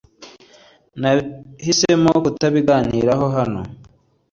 Nahisemo kutabiganiraho hano .